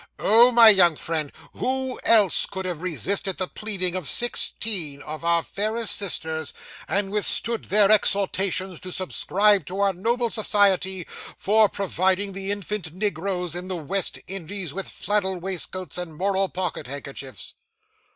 Oh, my young friend, who else could have resisted the pleading of sixteen of our fairest sisters, and withstood their exhortations to subscribe to our noble society for providing the infant negroes in the West Indies with flannel waistcoats and moral pocket handkerchiefs?